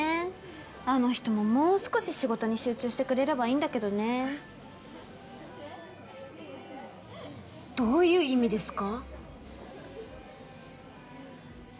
あの人ももう少し仕事に集中してくれればいいんだけどねどういう意味ですか？